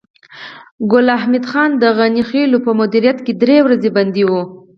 ګل حمید خان د غني خېلو په مدیریت کې درې ورځې بندي و